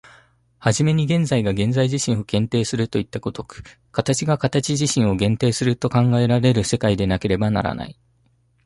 始めに現在が現在自身を限定するといった如く、形が形自身を限定すると考えられる世界でなければならない。